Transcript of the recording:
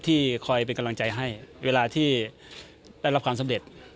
ที่คอยเป็นกำลังใจให้เวลาที่ได้รับความสำเร็จ